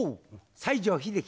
西城秀樹。